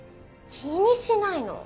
気にしないの！